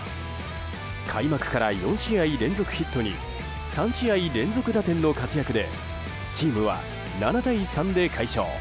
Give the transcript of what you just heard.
開幕から４試合連続ヒットに３試合連続打点の活躍でチームは７対３で快勝。